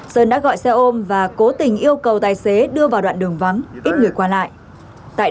sơn đã gọi xe ôm và cố tình yêu cầu tài xế đưa vào đoạn đường vắng ít người qua lại